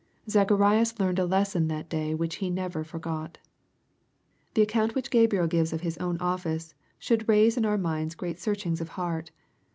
Zacharias learned a lesson that day which he never forgot. The account which Gabriel gives of his own office, should raise in our minds great searchings of heart.